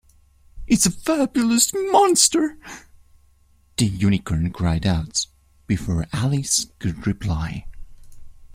‘It’s a fabulous monster!’ the Unicorn cried out, before Alice could reply.